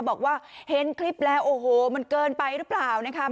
บอกว่าเห็นคลิปแล้วโอ้โหมันเกินไปหรือเปล่านะคะ